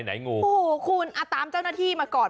งงโอ้โหคุณตามเจ้าหน้าที่มาก่อน